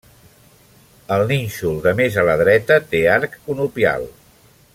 El nínxol de més a la dreta, té arc conopial.